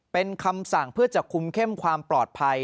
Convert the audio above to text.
เป็นคำสั่งเพื่อจะคุมเข้มความปลอดภัย